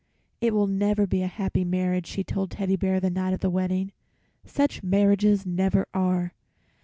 "It will never be a happy marriage," she told Teddy Bear the night of the wedding. "Such marriages never are.